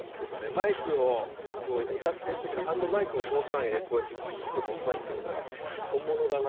マイクを歌ってる時のハンドマイクを通さないでこうやって聴いてもうまいってことは本物だな。